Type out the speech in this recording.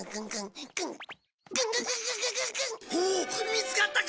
見つかったか？